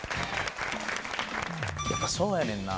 やっぱそうやねんな。